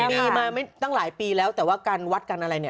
มีมาตั้งหลายปีแล้วแต่ว่าการวัดกันอะไรเนี่ย